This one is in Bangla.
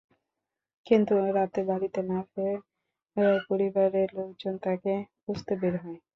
কিন্তু রাতে বাড়িতে না ফেরায় পরিবারের লোকজন তাকে খুঁজতে বের হয়।